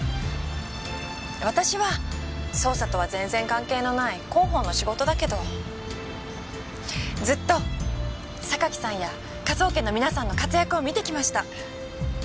私は捜査とは全然関係のない広報の仕事だけどずっと榊さんや科捜研の皆さんの活躍を見てきました。